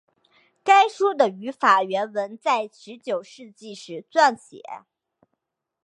该书的法语原文在十九世纪时撰写。